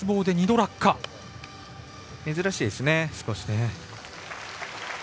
少し珍しいですね。